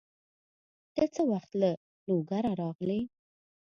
ته څه وخت له لوګره راغلې؟